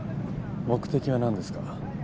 目的は何ですか？